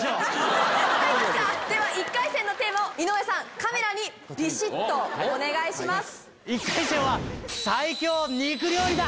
１回戦のテーマを井上さんカメラにビシっとお願いします。